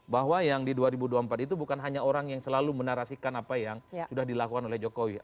bahwa yang di dua ribu dua puluh empat itu bukan hanya orang yang selalu menarasikan apa yang sudah dilakukan oleh jokowi